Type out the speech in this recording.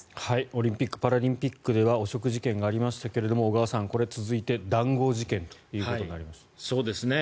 オリンピック・パラリンピックでは汚職事件がありましたけど小川さん、これ、続いて談合事件ということになりました。